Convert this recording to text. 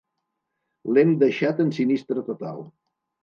L'hem deixat en sinistre total.